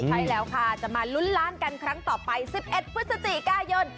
ใช่แล้วค่ะจะมาลุ้นล้านกันครั้งต่อไป๑๑พฤศจิกายน